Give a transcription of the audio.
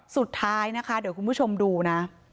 สุดท้ายนะคะเดี๋ยวคุณผู้ชมดูนะ